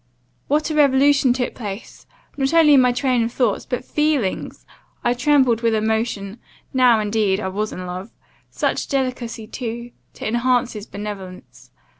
"What a revolution took place, not only in my train of thoughts, but feelings! I trembled with emotion now, indeed, I was in love. Such delicacy too, to enhance his benevolence!